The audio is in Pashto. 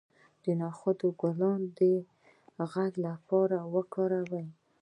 د نخود ګل د غږ لپاره وکاروئ